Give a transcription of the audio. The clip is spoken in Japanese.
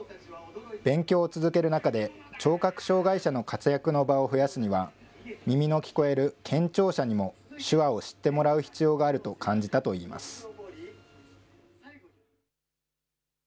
勉強を続ける中で、聴覚障害者の活躍の場を増やすには、耳の聞こえる健聴者にも手話を知ってもらう必要があると感じたといいます。